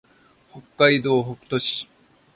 北海道北斗市